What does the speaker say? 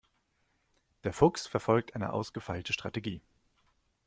Der Fuchs verfolgt eine ausgefeilte Strategie.